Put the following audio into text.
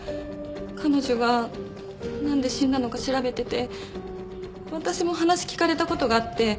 彼女がなんで死んだのか調べてて私も話聞かれた事があって。